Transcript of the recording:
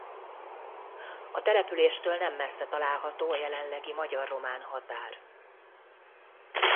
A településtől nem messze található a jelenlegi magyar–román határ.